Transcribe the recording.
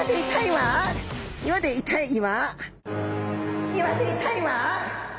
岩でいたい岩。